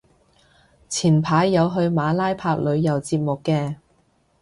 前排有去馬拉拍旅遊節目嘅